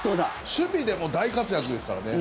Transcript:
守備でも大活躍ですからね。